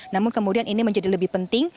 namun kemudian ini menjadi lebih penting